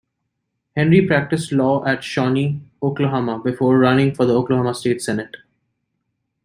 Henry practiced law in Shawnee, Oklahoma before running for the Oklahoma State Senate.